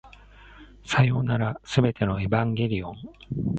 さようなら、全てのエヴァンゲリオン